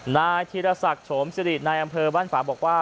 นายธีรศักดิ์โฉมสิรินายอำเภอบ้านฝาบอกว่า